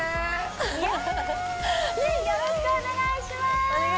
イエーイよろしくお願いします